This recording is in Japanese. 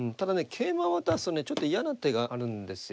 桂馬を渡すとねちょっと嫌な手があるんですよ。